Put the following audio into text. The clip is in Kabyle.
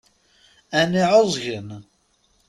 Ɛni ɛuẓgen?